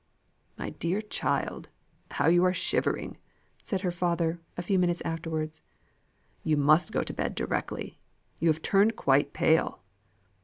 "My dear child, how you are shivering!" said her father, a few minutes afterwards. "You must go to bed directly. You have turned quite pale!"